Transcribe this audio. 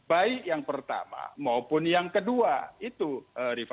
baik yang pertama maupun yang kedua itu rifana